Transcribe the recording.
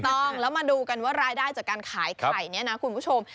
ต้องแล้วมาดูกันว่ารายได้จากการขายไข่เนี่ยนะคุณผู้ชม